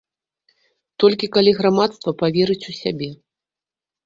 Толькі калі грамадства паверыць у сябе.